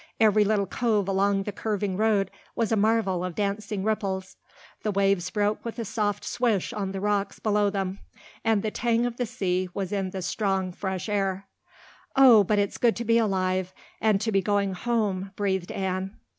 Every little cove along the curving road was a marvel of dancing ripples. The waves broke with a soft swish on the rocks below them, and the tang of the sea was in the strong, fresh air. "Oh, but it's good to be alive and to be going home," breathed Anne.